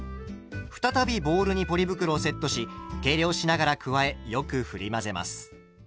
再びボウルにポリ袋をセットし計量しながら加えよくふり混ぜます。